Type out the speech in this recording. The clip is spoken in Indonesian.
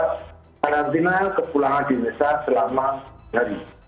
karantina ke pulangan di indonesia selama sehari